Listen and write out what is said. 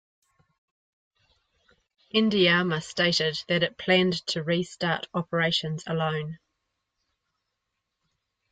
Endiama stated that it planned to restart operations alone.